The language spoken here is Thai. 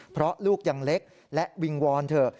เพราะลูกยังเล็กและวิงวอนเถอะ